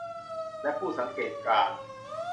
และผู้สังเกตการณ์